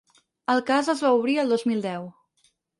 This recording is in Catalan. El cas es va obrir el dos mil deu.